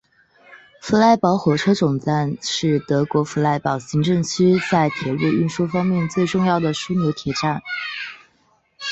弗赖堡火车总站是德国弗赖堡行政区在铁路运输方面最重要的枢纽车站。